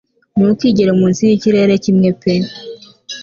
Ntukigere munsi yikirere kimwe pe